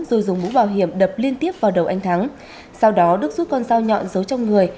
rồi dùng mũ bảo hiểm đập liên tiếp vào đầu anh thắng sau đó đức rút con dao nhọn giấu trong người